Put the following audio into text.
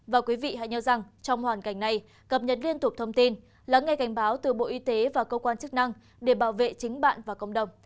và quý vị hãy nhớ rằng trong hoàn cảnh này cập nhật liên tục thông tin lắng nghe cảnh báo từ bộ y tế và cơ quan chức năng để bảo vệ chính bạn và cộng đồng